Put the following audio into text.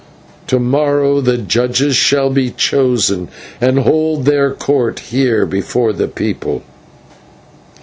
To morrow the judges shall be chosen, and hold their court here before the people."